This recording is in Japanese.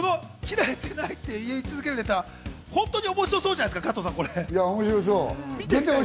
この切られてないっていう言い続けるネタ、面白そうじゃないですか。